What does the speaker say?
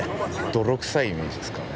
泥臭いイメージですかね。